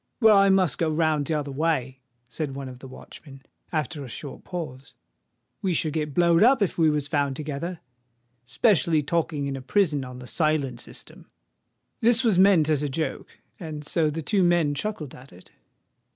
"Well, I must go round t'other way," said one of the watchmen, after a short pause: "we should get blowed up if we was found together—'specially talking in a prison on the silent system." This was meant as a joke; and so the two men chuckled at it.